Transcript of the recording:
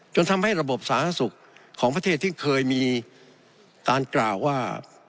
จนทำให้ระบบสาธารณสุขของประเทศที่เคยมีการกล่าวว่า